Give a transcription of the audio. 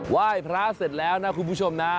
ไหว้พระเสร็จแล้วนะคุณผู้ชมนะ